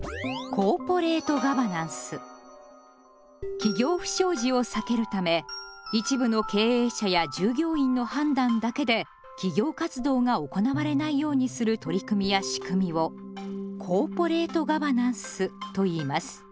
企業不祥事を避けるため一部の経営者や従業員の判断だけで企業活動が行われないようにする取り組みやしくみを「コーポレートガバナンス」といいます。